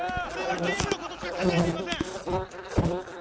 俺はゲームのことしか考えていません！